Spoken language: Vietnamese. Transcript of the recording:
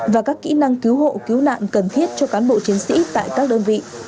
và các kỹ năng cứu hộ cứu nạn cần thiết cho cán bộ chiến sĩ tại các đơn vị